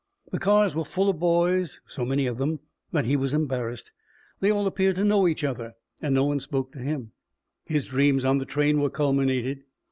The cars were full of boys, so many of them that he was embarrassed. They all appeared to know each other, and no one spoke to him. His dreams on the train were culminated.